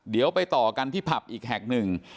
เดี๋ยวไปต่อกันที่ผับอีกแห่งหนึ่ง